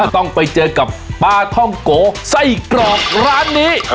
ต้องไปเจอกับปลาท่องโกไส้กรอกร้านนี้